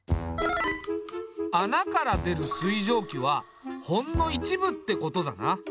穴から出る水蒸気はほんの一部ってことだな。